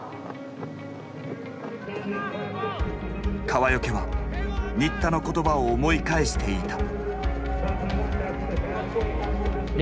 川除は新田の言葉を思い返していた。